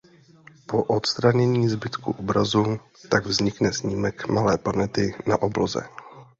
Po odstranění zbytku obrazu tak vznikne snímek „malé planety na obloze“.